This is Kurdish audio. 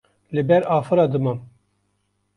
li ber afira dimam